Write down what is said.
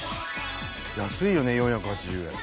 安いよね４８０円。